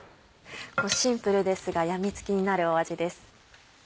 シンプルですがやみつきになる味です。